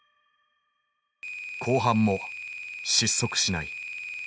後半も失速しない。